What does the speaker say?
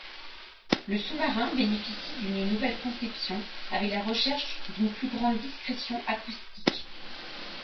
Le sous-marin bénéficie d'une nouvelle conception avec la recherche d'une plus grande discrétion acoustique.